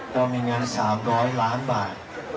ข้างใต้ของคุณแอมเรามีเงิน๓๐๐ล้านบาท